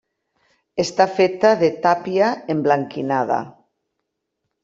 Està feta de tàpia emblanquinada.